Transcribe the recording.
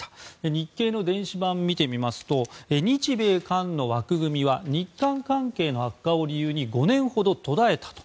日経の電子版を見てみますと日米韓の枠組みは日韓関係の悪化を理由に５年ほど途絶えたと。